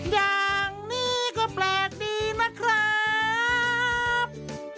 อย่างนี้ก็แปลกดีนะครับ